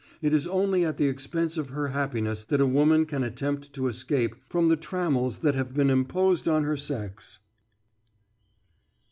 It is only at the expense of her happiness that a woman can attempt to escape from the trammels that have been imposed on her sex."